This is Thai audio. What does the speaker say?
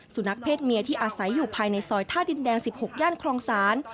สุนัขเศษเมียที่อาศัยอยู่ภายในซอยท่าดินแดง๑๖ย่านครองศาล